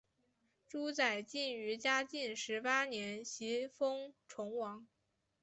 朱载境于嘉靖十八年袭封崇王。